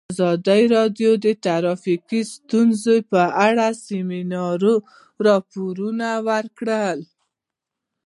ازادي راډیو د ټرافیکي ستونزې په اړه د سیمینارونو راپورونه ورکړي.